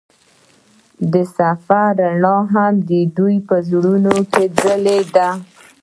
د سفر رڼا هم د دوی په زړونو کې ځلېده.